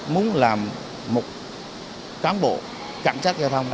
muốn làm một cán bộ cảnh sát giao thông